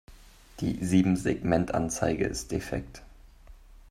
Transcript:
Die Siebensegmentanzeige ist defekt.